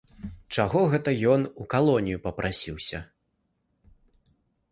Чаго гэта ён у калонію папрасіўся?